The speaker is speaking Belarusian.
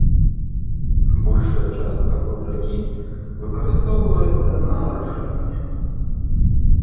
Большая частка вод ракі выкарыстоўваецца на арашэнне.